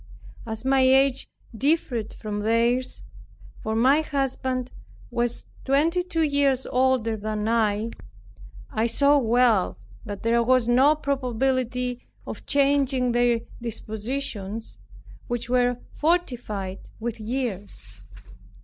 As my age differed from theirs (for my husband was twenty two years older than I) I saw well that there was no probability of changing their dispositions, which were fortified with years.